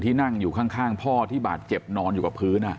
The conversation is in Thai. นั่งอยู่ข้างพ่อที่บาดเจ็บนอนอยู่กับพื้น